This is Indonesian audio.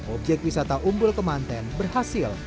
objek wisata umbul kemanten berhasil